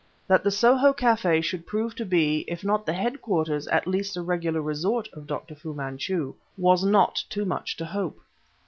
That the Soho café should prove to be, if not the headquarters at least a regular resort of Dr. Fu Manchu, was not too much to hope.